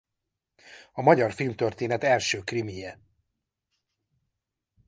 A magyar filmtörténet első krimije.